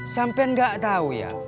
sampe gak tau ya